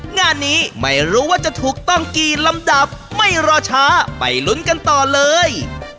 งานนี้ไม่รู้ว่าจะถูกต้องกี่ลำดับไม่รอช้าไปลุ้นกันต่อเลย